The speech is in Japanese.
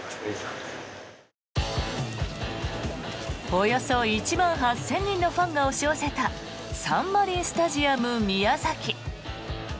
およそ１万８０００人のファンが押し寄せたサンマリンスタジアム宮崎。